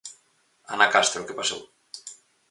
Ana Castro, que pasou?